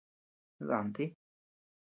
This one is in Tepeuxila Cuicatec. Dànti.